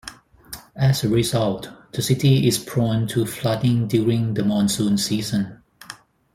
As a result, the city is prone to flooding during the monsoon season.